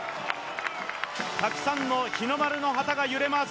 たくさんの日の丸の旗が揺れます。